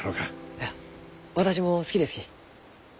いや私も好きですき。